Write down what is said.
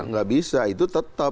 nggak bisa itu tetap